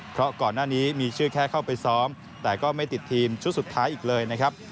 เพราะก่อนหน้านี้มีชื่อแค่เข้าไปซ้อมแต่ก็ไม่ติดทีมชุดสุดท้ายอีกเลยนะครับ